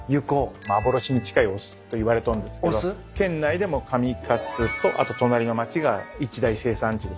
幻に近いお酢といわれとんですけど県内でも上勝とあと隣の町が一大生産地でそこしかないんで。